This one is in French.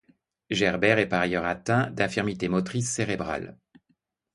Gerber est par ailleurs atteint d'infirmité motrice cérébrale.